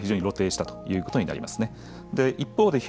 今回それが非常に露呈したということになりますね。